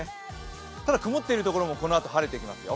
ただ曇っているところもこのあと晴れてきますよ。